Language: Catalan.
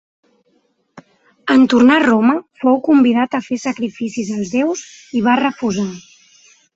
En tornar a Roma fou convidat a fer sacrificis als déus i va refusar.